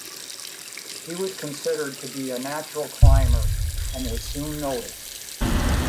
He was considered to be a natural climber, and was soon noticed.